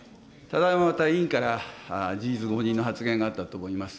ただいま、委員から事実誤認の発言があったと思います。